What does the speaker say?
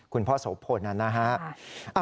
คุณพ่อโสพลนะฮะ